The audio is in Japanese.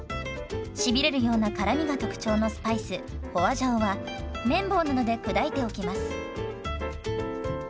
しびれるような辛みが特徴のスパイス花椒は麺棒などで砕いておきます。